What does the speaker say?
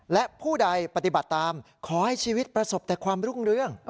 และผู้ใดปฏิบัติตามขอให้ชีวิตประสบแต่ความรุ่งเรื่อง